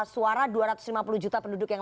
suara dua ratus lima puluh juta penduduk yang